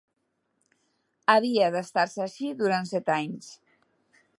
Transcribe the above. Havia d'estar-se així durant set anys.